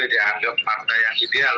dianggap partai yang ideal